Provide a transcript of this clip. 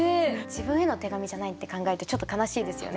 自分への手紙じゃないって考えるとちょっと悲しいですよね。